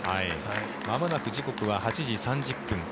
まもなく時刻は８時３０分。